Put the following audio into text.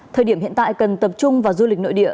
thời điểm hiện tại cần tập trung vào du lịch nội địa